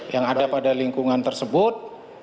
yang ada pada lingkungan tersebut